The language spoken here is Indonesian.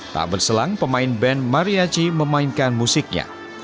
tak berselang pemain band mariachi memainkan musiknya